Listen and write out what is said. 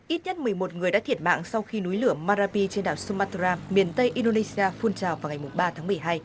ít nhất một mươi một người đã thiệt mạng sau khi núi lửa marapi trên đảo sumatra miền tây indonesia phun trào vào ngày ba tháng một mươi hai